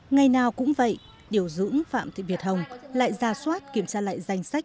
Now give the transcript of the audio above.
ngày nào cũng vậy điều dưỡng phạm thị biệt hồng lại ra soát kiểm tra lại danh sách